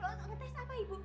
ngetes apa ibu